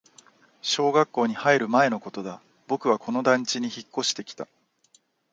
小学校に入る前のことだ、僕はこの団地に引っ越してきた